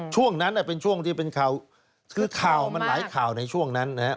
ช่วงนั้นเป็นช่วงที่เป็นข่าวคือข่าวมันหลายข่าวในช่วงนั้นนะครับ